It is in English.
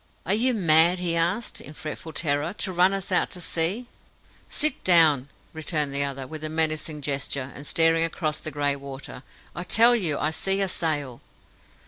"Are you mad?" he asked, in fretful terror, "to run us out to sea?" "Sit down!" returned the other, with a menacing gesture, and staring across the grey water. "I tell you I see a sail!"